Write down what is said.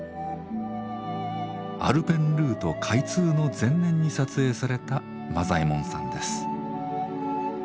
アルペンルート開通の前年に撮影された間左エ門さんです。